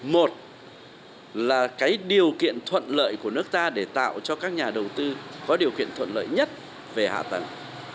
một là điều kiện thuận lợi của nước ta để tạo cho các nhà đầu tư có điều kiện thuận lợi nhất về hạ tầng